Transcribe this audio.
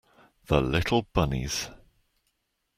The little bunnies!